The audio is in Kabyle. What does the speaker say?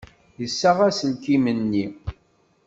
Yessaɣ aselkim-nni.